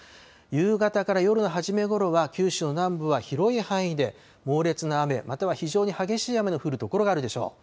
夕方から夜の初めごろは九州の南部は広い範囲で猛烈な雨、または非常に激しい雨の降る所があるでしょう。